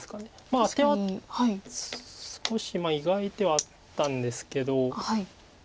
まあアテは少し意外ではあったんですけど。